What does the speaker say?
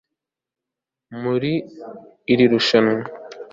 muri iri rushanwa